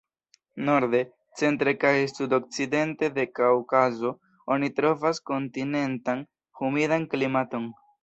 Norde, centre kaj sudokcidente de Kaŭkazo oni trovas kontinentan humidan klimaton.